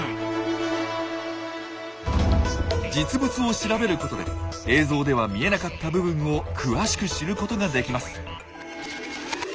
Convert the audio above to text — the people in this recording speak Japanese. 実物を調べることで映像では見えなかった部分を詳しく知ることができます。